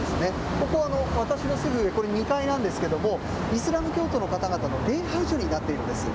ここは、私のすぐ、２階なんですけれども、イスラム教徒の方々の礼拝所になっているんです。